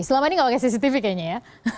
selama ini nggak pakai cctv kayaknya ya